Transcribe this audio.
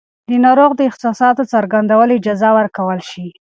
د ناروغ د احساساتو څرګندولو اجازه ورکړل شي.